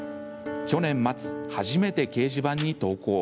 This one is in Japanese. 去年末、初めて掲示板に投稿。